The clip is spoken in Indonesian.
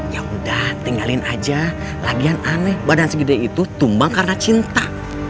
ya udah tinggalin aja lagian aneh badan segede itu tumbang karena cinta